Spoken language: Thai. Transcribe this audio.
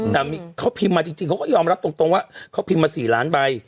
แต่เขาพิมพ์มาจริงเขาก็ยอมรับตรงว่าเขาพิมพ์มา๔ล้านใบ